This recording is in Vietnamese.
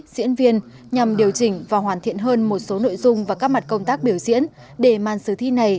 diễn viên nhằm điều chỉnh và hoàn thiện hơn một số nội dung và các mặt công tác biểu diễn để màn sử thi này